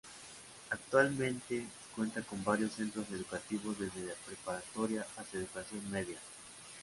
Actualmente cuenta con varios centros educativos desde preparatoria hasta educación Media.